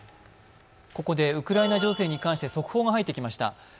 ここでウクライナ情勢に関して速報が入ってきました。